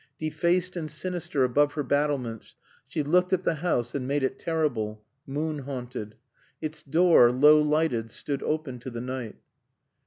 Defaced and sinister, above her battlements, she looked at the house and made it terrible, moon haunted. Its door, low lighted, stood open to the night.